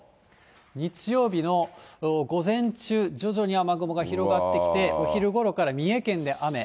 日曜日の午前中、徐々に雨雲が広がってきて、お昼ごろから三重県で雨。